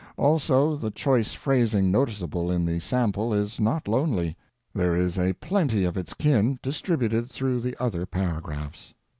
Also, the choice phrasing noticeable in the sample is not lonely; there is a plenty of its kin distributed through the other paragraphs.